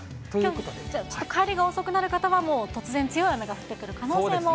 じゃあ、ちょっと帰りが遅くなる方は、もう突然、強い雨が降ってくる可能性も。